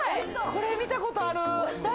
これ、見たことある！